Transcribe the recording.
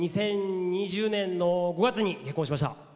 ２０２０年の５月に結婚しました。